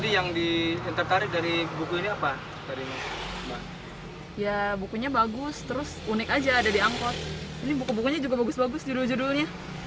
iya di pandeglang ini